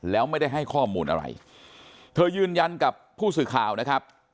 แล้วไม่ได้ให้ข้อมูลอะไรเธอยืนยันกับผู้สื่อข่าวนะครับ